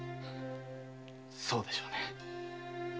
そうでしょうね。